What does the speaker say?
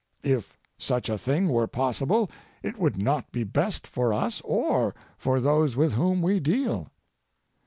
If such a thing were possible it would not be best for us or for those with whom we deal.